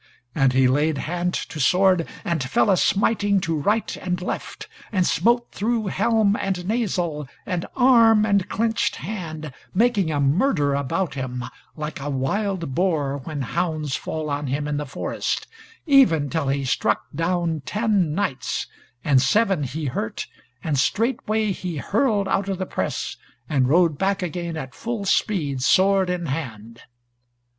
And he laid hand to sword, and fell a smiting to right and left, and smote through helm and nasal, and arm and clenched hand, making a murder about him, like a wild boar when hounds fall on him in the forest, even till he struck down ten knights, and seven be hurt, and straightway he hurled out of the press, and rode back again at full speed, sword in hand.